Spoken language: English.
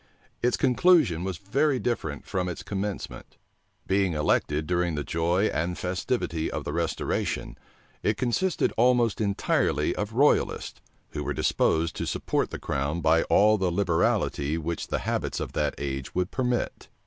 Its conclusion was very different from its commencement. Being elected during the joy and festivity of the restoration, it consisted almost entirely of royalists; who were disposed to support the crown by all the liberality which the habits of that age would permit.